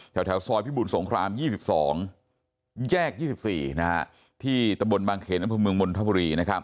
แถวซอยพิบุลสงคราม๒๒แยก๒๔ที่ตะบลบางเขตน้ำพลวงมลธบุรี